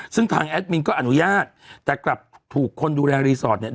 ซึ่งทางแอดมินก็อนุญาตแต่กลับถูกคนดูแลรีสอร์ทเนี่ย